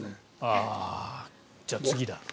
じゃあ次だ。